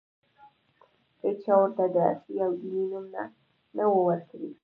هېچا ورته د عصري او دیني نوم نه ؤ ورکړی.